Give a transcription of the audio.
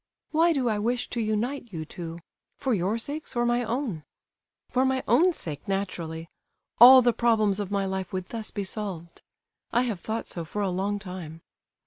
"Why do I wish to unite you two? For your sakes or my own? For my own sake, naturally. All the problems of my life would thus be solved; I have thought so for a long time.